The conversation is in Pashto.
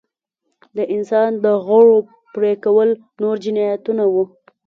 د انسان د غړو پرې کول نور جنایتونه وو.